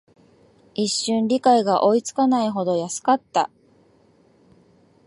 一瞬、理解が追いつかないほど安かった